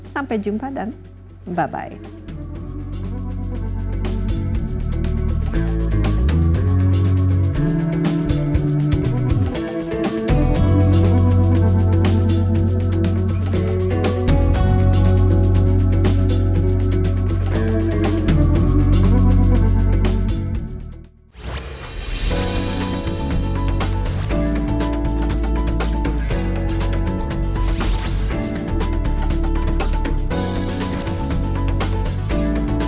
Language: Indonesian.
sampai jumpa dan bye bye